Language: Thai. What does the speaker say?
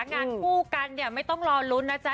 งานกู่กันไม่ต้องรอหลุ้นนะจ๊ะ